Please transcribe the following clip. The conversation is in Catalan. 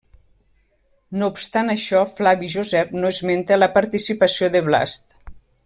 No obstant això Flavi Josep no esmenta la participació de Blast.